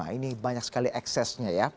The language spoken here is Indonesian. ini banyak sekali eksesnya ya